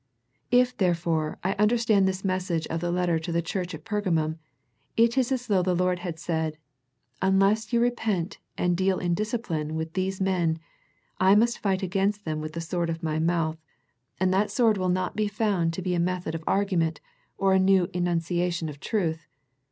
If therefore I understand this message of the letter to the church at Perga mum, it is as though the Lord had said, Un less you repent and deal in discipline with these men, I must fight against them with the sword of My mouth, and that sword will not be I04 A First Century Message found to be the method of argument, or a new enunciation of truth.